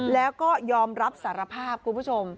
แล้วก็ยอมรับสารภาพคุณผู้ชม